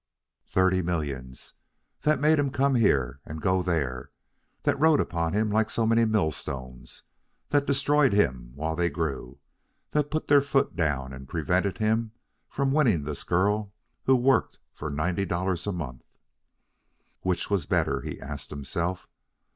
Thirty millions! that made him come here and go there, that rode upon him like so many millstones, that destroyed him while they grew, that put their foot down and prevented him from winning this girl who worked for ninety dollars a month. Which was better? he asked himself.